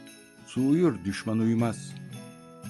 Su uyur, düşman uyumaz.